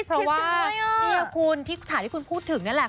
เพราะว่านี่คุณที่ฉายที่คุณพูดถึงนั่นแหละ